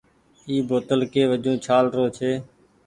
اي بوتل ڪي وجون ڇآل رو ڇي ۔